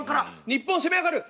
日本攻め上がる。